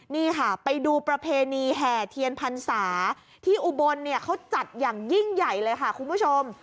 นี่ค่ะไปดูประเพณีแห่เทียนพรรษาที่อุบลเนี่ยเขาจัดอย่างยิ่งใหญ่เลยค่ะคุณผู้ชม